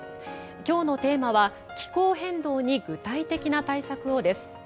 今日のテーマは「気候変動に具体的な対策を」です。